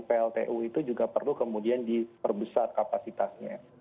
pltu itu juga perlu kemudian diperbesar kapasitasnya